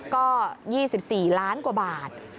ก็๒๔ล้านกว่าบาท